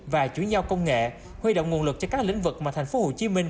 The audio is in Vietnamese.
và chủ nhau công nghệ huy động nguồn lực cho các lĩnh vực mà thành phố hồ chí minh